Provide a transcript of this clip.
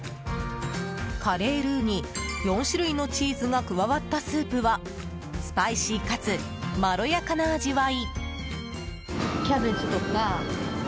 カレールーに４種類のチーズが加わったスープはスパイシーかつまろやかな味わい。